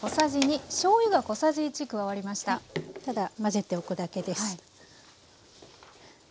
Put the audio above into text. ただ混ぜておくだけです。